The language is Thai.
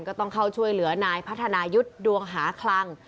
ก็ต้องเข้าช่วยเหลือนายพัฒนายุทธ์ดวงหาคลัง